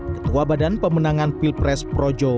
ketua badan pemenangan pilpres projo